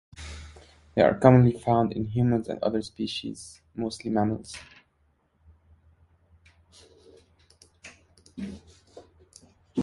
They are commonly found in humans and other species, mostly mammals.